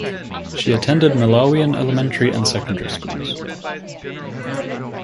She attended Malawian elementary and secondary schools.